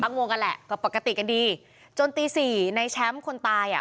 งวงกันแหละก็ปกติกันดีจนตีสี่ในแชมป์คนตายอ่ะ